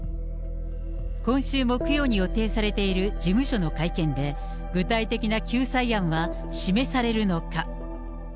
今週木曜に予定されている事務所の会見で、具体的な救済案は示されるのか。